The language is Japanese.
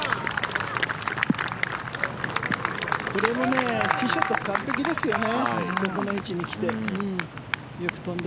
これもティーショット完璧ですよね。